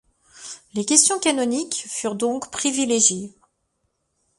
Les questions canoniques furent donc privilégiées.